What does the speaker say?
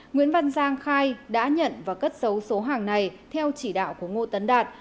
nguyễn văn giang khai đã nhận và cất xấu số hàng này theo chỉ đạo của ngô tấn đạt